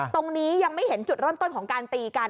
ตรงนี้ยังไม่เห็นจุดเริ่มต้นของการตีกัน